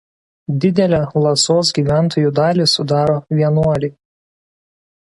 Didelę Lasos gyventojų dalį sudaro vienuoliai.